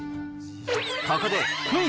ここでクイズ！